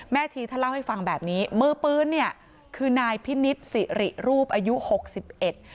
แม่ชีถ้าเล่าให้ฟังแบบนี้มือปื้นนี่คือนายพินิสศรีรูปอายุหกสิบเอ็ด